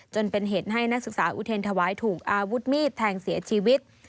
จนเป็นเหตุให้นักศึกษาอุเทรนธวายถูกอาวุธมีดแทงเสียชีวิต